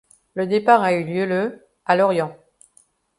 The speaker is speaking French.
Le départ a eu lieu le à Lorient.